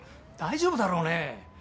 大丈夫だろうね？